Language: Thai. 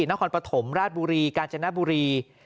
นครปฐมราชบุรีกาญจนบุรี